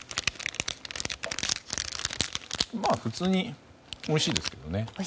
まあ、普通においしいですけどね。